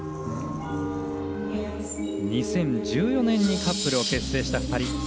２０１４年にカップルを結成した２人。